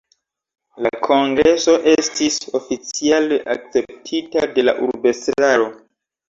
La kongreso estis oficiale akceptita de la urbestraro.